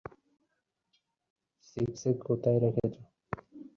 একদল লোক আছে, যাহারা বহিঃপ্রকৃতির বিকাশকেই প্রাধান্য দেয়, আবার অপরদল অন্তঃপ্রকৃতির বিকাশকে।